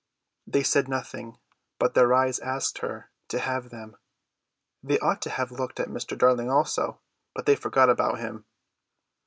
They said nothing, but their eyes asked her to have them. They ought to have looked at Mr. Darling also, but they forgot about him.